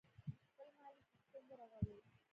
خپل مالي سیستم ورغوي.